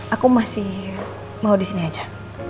aku masih mau disini aja